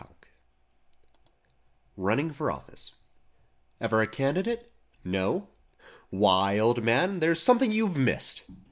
153 RUNNING FOR OFFICE Ever a candidate? No! Why, old man There's something you've missed!